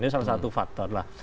ini salah satu faktor lah